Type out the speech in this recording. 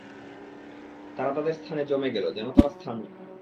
তারা তাদের স্থানে জমে গেল যেন তারা স্থাণু।